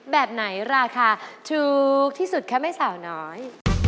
แบบไหนราคาถูกที่สุดคะแม่สาวน้อย